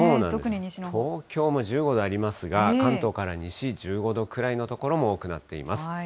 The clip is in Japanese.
東京も１５度ありますが、関東から西、１５度くらいの所も多くなっています。